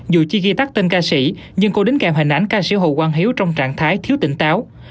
dù chưa ghi tắt tên ca sĩ nhưng cô đính kèm hình ảnh ca sĩ hồ quang hiếu trong trạng thái thiếu tỉnh táo